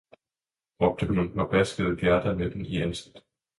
råbte hun og baskede Gerda med den i ansigtet.